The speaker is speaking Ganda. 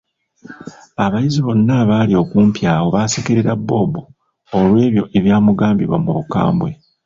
Abayizi bonna abaali okumpi awo baasekerera Bob, olw'ebyo ebyamugambibwa mu bukambwe.